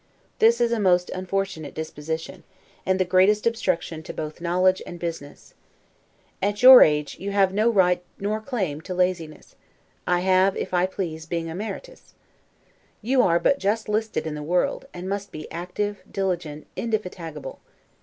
This is a most unfortunate disposition, and the greatest obstruction to both knowledge and business. At your age, you have no right nor claim to laziness; I have, if I please, being emeritus. You are but just listed in the world, and must be active, diligent, indefatigable.